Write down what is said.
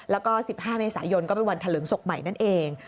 แล้วก็๑๕เมษายนก็เป็นวันเถลิงศพใหม่นั่นเอง